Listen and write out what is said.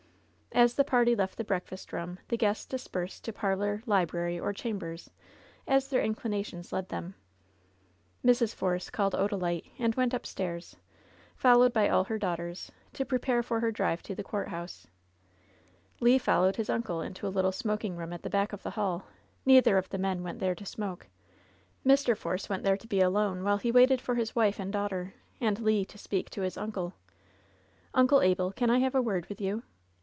As the party left the breakfast room, the guests dis^ persed to parlor, library, or chambers, as their inclina tions led them. 100 LOVE'S BITTEREST CUP Mrs. Force called Odalite, and went upstairs, fol lowed by all her daughters, to prepare for her drive to the courthouse, Le followed his uncle into a little smoking room at the back of the hall, Neither of the men went there to smoke. Mr. Force went there to be alone while he waited for his wife and daughter, and Le to speak to his uncle. "Uncle Abel, can I have a word with you